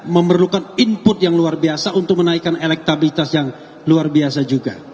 memerlukan input yang luar biasa untuk menaikkan elektabilitas yang luar biasa juga